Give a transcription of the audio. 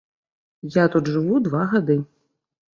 Я тут жыву два гады.